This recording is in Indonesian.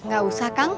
gak usah kang